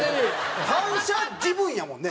反射自分やもんね